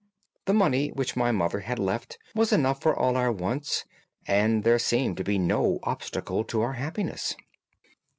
The money which my mother had left was enough for all our wants, and there seemed to be no obstacle to our happiness.